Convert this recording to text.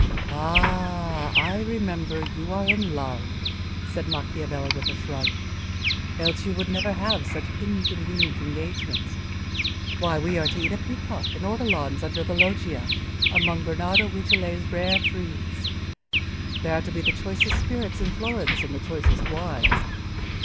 "Ah! I remember, you are in love," said Macchiavelli, with a shrug, "else you would never have such inconvenient engagements. Why, we are to eat a peacock and ortolans under the loggia among Bernardo Rucellai's rare trees; there are to be the choicest spirits in Florence and the choicest wines.